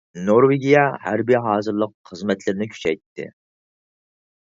نورۋېگىيە ھەربىي ھازىرلىق خىزمەتلىرىنى كۈچەيتتى.